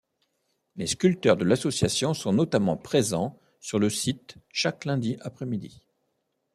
Les sculpteurs de l'association sont notamment présents sur le site chaque lundi après-midi.